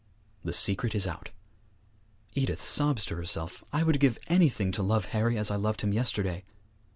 The secret is out! Edith sobs to herself, 'I would give anything to love Harry as I loved him yesterday!'